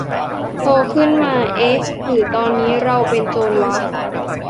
โตขึ้นมา เอ๊ะ หรือตอนนี้เราเป็นโจรวะ ?